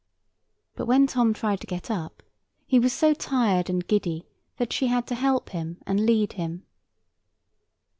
But when Tom tried to get up, he was so tired and giddy that she had to help him and lead him.